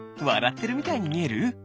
わらってるみたいにみえる？